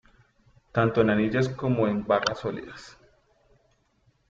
Tanto en anillas como en barra sólida.